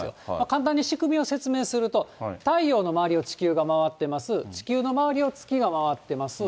簡単に仕組みを説明すると、太陽の周りを地球が回ってます、地球の周りを月が回ってます。